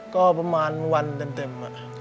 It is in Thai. ก็ประมาณวันเต็ม